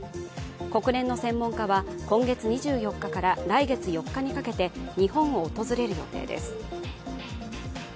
国連の専門家は今月２４日から来月４日にかけて日本を訪れる予定です。